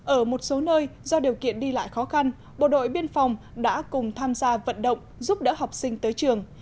ở một số nơi do điều kiện đi lại khó khăn bộ đội biên phòng đã cùng tham gia vận động giúp đỡ học sinh tới trường